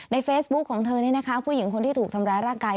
เฟซบุ๊คของเธอนี่นะคะผู้หญิงคนที่ถูกทำร้ายร่างกาย